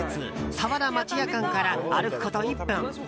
さわら町屋館から歩くこと１分。